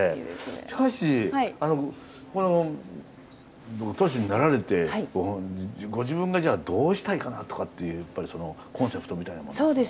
しかしここのご当主になられてご自分がどうしたいかなとかっていうコンセプトみたいなものが。